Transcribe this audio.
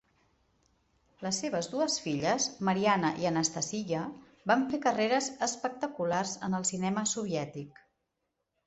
Les seves dues filles, Marianna i Anastasiya, van fer carreres espectaculars en el cinema soviètic.